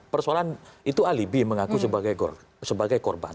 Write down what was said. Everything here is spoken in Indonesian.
persoalan itu alibi mengaku sebagai korban